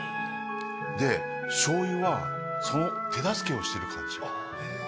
で醤油はその手助けをしてる感じ。